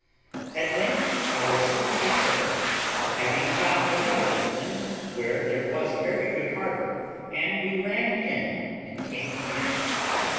At length our sloop returned; having found another island where there was a very good harbour, we ran in, and came to an anchor.